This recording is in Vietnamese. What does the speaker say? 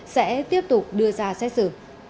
sẽ tiếp tục đưa ra xét xử